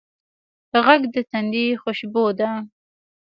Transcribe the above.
غږ د تندي خوشبو ده